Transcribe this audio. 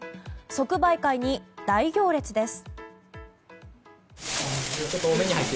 即売会に大行列です。